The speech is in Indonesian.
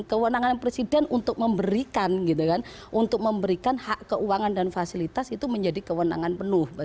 kewenangan presiden untuk memberikan hak keuangan dan fasilitas itu menjadi kewenangan penuh